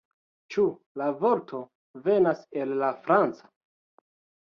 Ĉu la vorto venas el la franca?